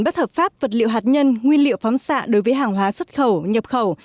bất hợp pháp vật liệu hạt nhân nguyên liệu phóng xạ đối với hàng hóa xuất khẩu nhập khẩu